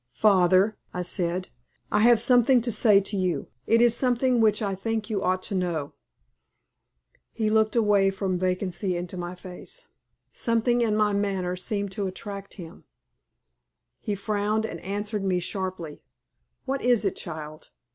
"Father," I said, "I have something to say to you. It is something which I think you ought to know." He looked away from vacancy into my face. Something in my manner seemed to attract him. He frowned, and answered me sharply. "What is it, child?